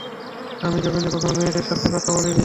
আমি জমিনে কখনো মেয়েদের সাথে কথা বলিনি।